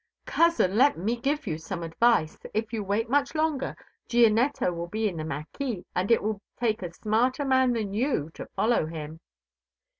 "Cousin, let me give you some advice: if you wait much longer Gianetto will be in the mâquis and it will take a smarter man than you to follow him."